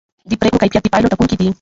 د پرېکړو کیفیت د پایلو ټاکونکی دی